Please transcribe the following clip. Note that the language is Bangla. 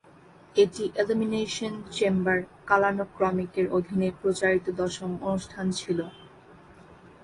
এটি এলিমিনেশন চেম্বার কালানুক্রমিকের অধীনে প্রচারিত দশম অনুষ্ঠান ছিল।